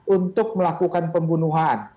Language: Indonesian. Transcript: untuk melakukan pembunuhan